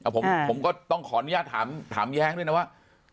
ผมก็ต้องขออนุญาตถามแย้งด้วยนะว่า